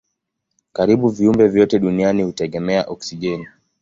Karibu viumbe vyote duniani hutegemea oksijeni.